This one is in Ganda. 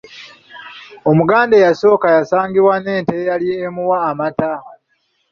Omuganda eyasooka yasangibwa n’ente eyali emuwa amata.